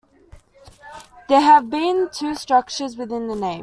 There have been two structures with the name.